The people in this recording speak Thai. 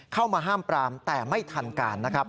เข้ามาห้ามปรามแต่ไม่ทันการนะครับ